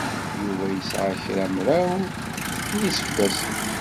Yuba yesɛa kramraw n yiseggasen.